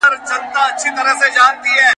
سل په لالي پوري، دا يو ئې د بنگړو.